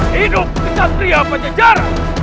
hidup kecatria pajajaran